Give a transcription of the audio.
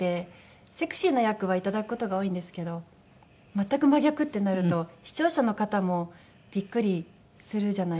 セクシーな役はいただく事が多いんですけど全く真逆ってなると視聴者の方もビックリするじゃないですか。